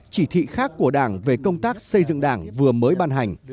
chỉ thị khác của đảng về công tác xây dựng đảng vừa mới ban hành